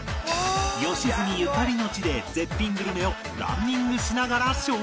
良純ゆかりの地で絶品グルメをランニングしながら紹介！